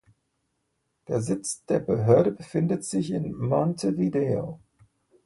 Der Sitz der Behörde befindet sich in Montevideo.